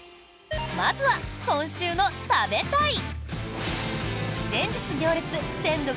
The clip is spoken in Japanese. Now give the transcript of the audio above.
まずは、今週の食べたい！